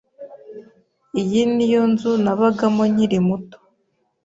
Iyi niyo nzu nabagamo nkiri muto.